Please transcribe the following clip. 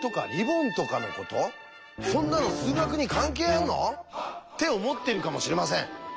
そんなの数学に関係あんの？って思ってるかもしれません。